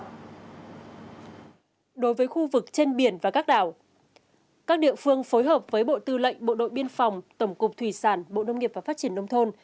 đối với khu vực trên biển và các đảo phối hợp với bộ tư lệnh bộ đội biên phòng tổng cục thủy sản bộ nông nghiệp và phát triển nông thôn